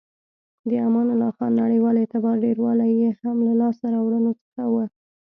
د امان الله خان نړیوال اعتبار ډیروالی یې هم له لاسته راوړنو څخه و.